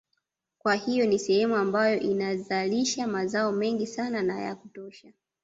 Kwa hiyo ni sehemu ambayo inazalisha mazao mengi sana na ya kutosha